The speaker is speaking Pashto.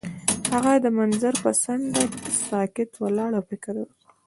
هغه د منظر پر څنډه ساکت ولاړ او فکر وکړ.